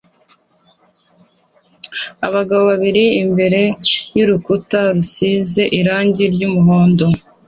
Abagabo babiri imbere yurukuta rusize irangi ry'umuhondo